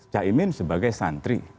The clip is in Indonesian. chaimin sebagai santri